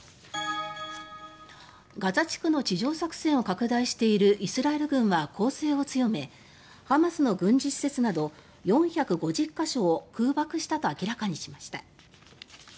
ガザ地区の地上作戦を拡大しているイスラエル軍は攻勢を強めハマスの軍事施設など４５０か所を空爆したと明らかにしました。